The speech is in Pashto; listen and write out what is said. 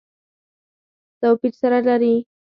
توپیر سره لري.